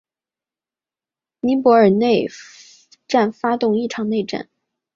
尼泊尔内战发动的一场内战。